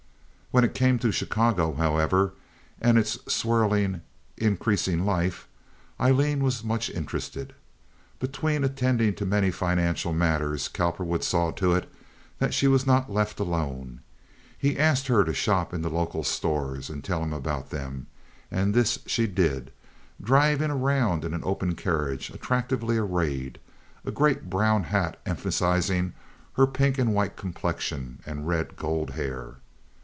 When it came to Chicago, however, and its swirling, increasing life, Aileen was much interested. Between attending to many financial matters Cowperwood saw to it that she was not left alone. He asked her to shop in the local stores and tell him about them; and this she did, driving around in an open carriage, attractively arrayed, a great brown hat emphasizing her pink and white complexion and red gold hair.